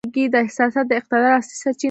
دا احساسات د اقتدار اصلي سرچینه ګڼي.